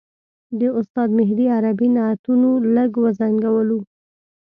د استاد مهدي عربي نعتونو لږ وځنګولو.